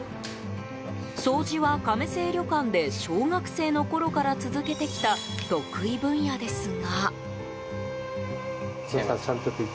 掃除は、亀清旅館で小学生のころから続けてきた得意分野ですが。